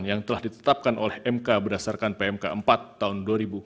yang telah ditetapkan oleh mk berdasarkan pmk empat tahun dua ribu dua puluh